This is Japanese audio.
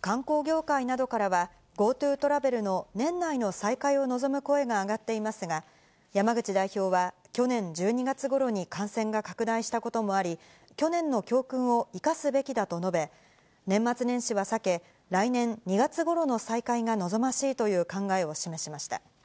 観光業界などからは、ＧｏＴｏトラベルの年内の再開を望む声が上がっていますが、山口代表は去年１２月ごろに感染が拡大したこともあり、去年の教訓を生かすべきだと述べ、年末年始は避け、来年２月ごろの再開が望ましいという考えを示しました。